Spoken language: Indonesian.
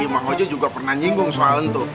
emang gojo juga pernah nyinggung soalan tuh